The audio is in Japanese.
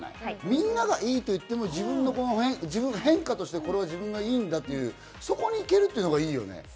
みんながいいと言っても、自分の返歌としてこれがいいんだという、そこに行けるのがいいよね。